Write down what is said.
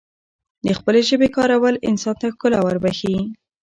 دخپلې ژبې کارول انسان ته ښکلا وربښی